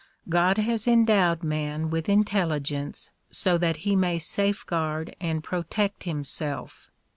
God has endowed man with intelligence so that he may safeguard and protect him self.